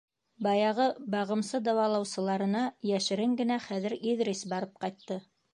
Баяғы бағымсы-дауалаусыларына йәшерен генә хәҙер Иҙрис барып ҡайтты.